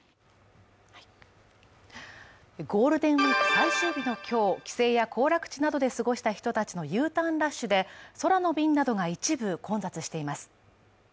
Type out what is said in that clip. ゴールデンウイーク最終日の今日、帰省や行楽地などで過ごした人たちのＵターンラッシュで空の便などが一部混雑しています。